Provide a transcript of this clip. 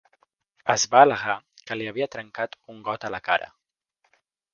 Es va al·legar que li havia trencat un got a la cara.